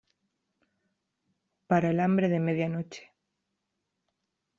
para el hambre de medianoche .